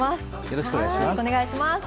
よろしくお願いします。